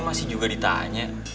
masih juga ditanya